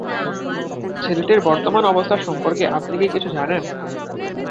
ছেলেটির বর্তমান অবস্থা সম্পর্কে আপনি কি কিছু জানেন?